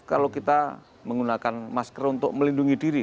kalau kita menggunakan masker untuk melindungi diri